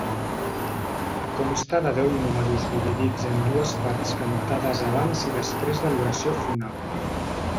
Consta de deu números dividits en dues parts cantades abans i després de l’oració fúnebre.